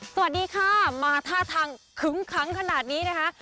สวัสดีค่ะมาท่าทางขึ้งขังขนาดนี้นะคะ